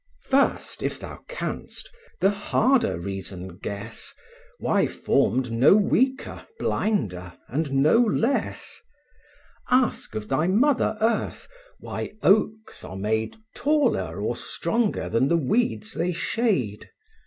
First, if thou canst, the harder reason guess, Why formed no weaker, blinder, and no less; Ask of thy mother earth, why oaks are made Taller or stronger than the weeds they shade?